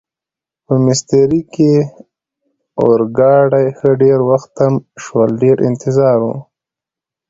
په میسترې کې اورګاډي ښه ډېر وخت تم شول، ډېر انتظار و.